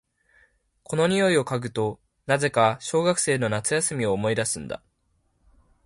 この匂いを嗅ぐと、なぜか小学生の夏休みを思い出すんだ。